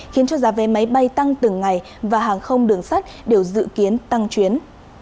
khiến cho giá vé máy bay tăng từng ngày và hàng không đường sắt đều dự kiến tăng chuyến